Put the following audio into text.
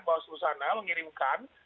bawaslu sana mengirimkan